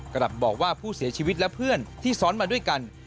กลับบอกว่าผู้เสียชีวิตและเพื่อนที่ซ้อนมาด้วยกัน